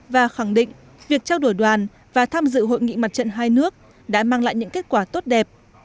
và khẳng định việc trao đổi đoàn và tham dự hội nghị mặt trận hai nước đã mang lại những kết quả tốt đẹp